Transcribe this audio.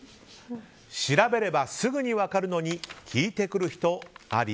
調べればすぐに分かるのに聞いてくる人あり？